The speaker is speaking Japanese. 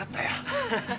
ハハハ。